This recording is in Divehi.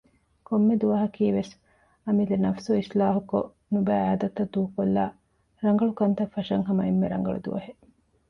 ކޮންމެ ދުވަހަކީވެސް އަމިއްލަ ނަފްސު އިސްލާހުކޮށް ނުބައި އާދަތައް ދޫކޮށްލައި ރަނގަޅުކަންތައް ފަށަން ހަމަ އެންމެ ރަނގަޅު ދުވަހެއް